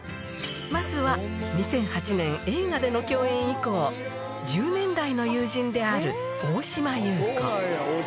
まずは２００８年、映画での共演以降、１０年来の友人である大島優子。